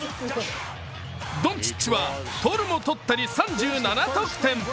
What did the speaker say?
ドンチッチは取るも取ったり３７得点。